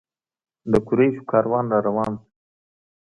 د قریشو کاروان روان شو.